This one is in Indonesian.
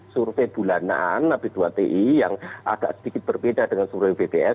survei bulanan ab dua ti yang agak sedikit berbeda dengan survei bps